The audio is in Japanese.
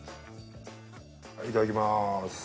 はいいただきます。